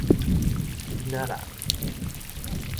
囡仔人